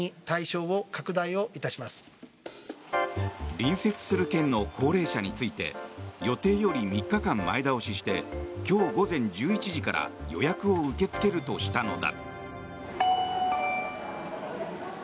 隣接する県の高齢者について予定より３日間前倒しして今日午前１１時から予約を受け付けるとしたのだ。